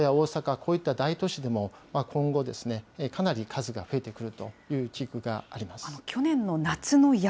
東京や大阪、こういった大都市でも、今後、かなり数が増えてくるという危惧があります。